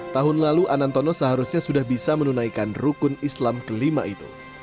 tahun lalu anantono seharusnya sudah bisa menunaikan rukun islam kelima itu